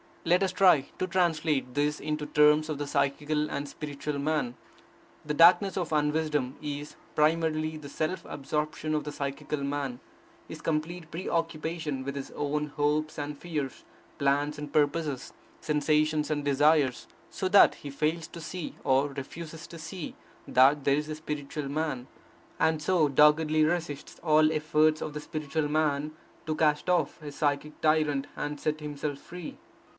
Let us try to translate this into terms of the psychical and spiritual man. The darkness of unwisdom is, primarily, the self absorption of the psychical man, his complete preoccupation with his own hopes and fears, plans and purposes, sensations and desires; so that he fails to see, or refuses to see, that there is a spiritual man; and so doggedly resists all efforts of the spiritual man to cast off his psychic tyrant and set himself free.